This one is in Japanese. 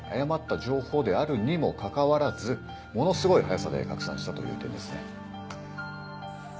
「誤った情報であるにもかかわらずものすごい速さで拡散したという点ですね」